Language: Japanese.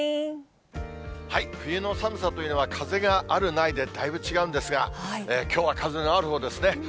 冬の寒さというのは、風がある、ないでだいぶ違うんですが、きょうは風があるほうですね。